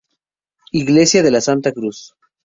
Iglesia de la Santa Cruz